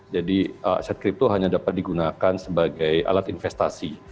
jadi aset kripto hanya dapat digunakan sebagai alat investasi